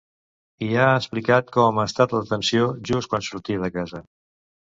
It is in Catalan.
I ha explicat com ha estat la detenció, just quan sortia de casa.